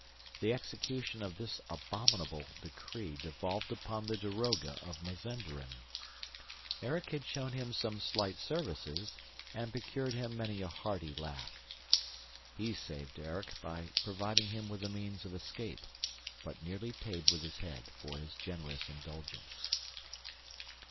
The execution of this abominable decree devolved upon the daroga of Mazenderan. Erik had shown him some slight services and procured him many a hearty laugh. He saved Erik by providing him with the means of escape, but nearly paid with his head for his generous indulgence.